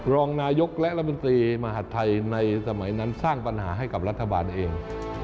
รองนายกและรัฐมนตรีมหาดไทยในสมัยนั้นสร้างปัญหาให้กับรัฐบาลเอง